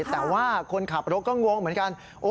แต่ว่าคนขับรถก็งงเหมือนกัน